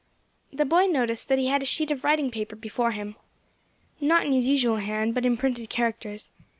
The boy noticed that he had a sheet of writing paper before him, on which he was writing, not in his usual hand, but in printed characters.